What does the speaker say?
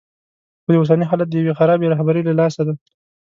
خو دا اوسنی حالت د یوې خرابې رهبرۍ له لاسه دی.